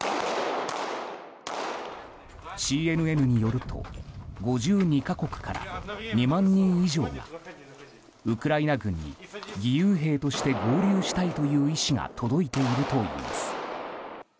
ＣＮＮによると５２か国から２万人以上がウクライナ軍に義勇兵として合流したいという意思が届いているといいます。